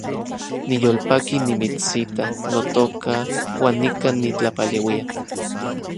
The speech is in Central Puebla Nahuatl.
Niyolpaki nimitsita, notoka, uan nikan nitlapaleuia